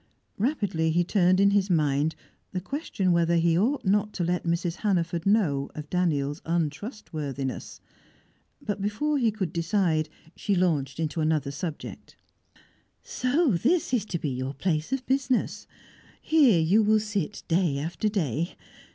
Rapidly he turned in his mind the question whether he ought not to let Mrs. Hannaford know of Daniel's untrustworthiness; but before he could decide, she launched into another subject. "So this is to be your place of business? Here you will sit day after day.